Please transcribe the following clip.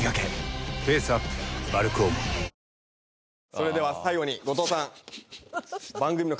それでは最後に後藤さん。